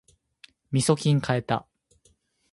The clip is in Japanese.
みそきん買えた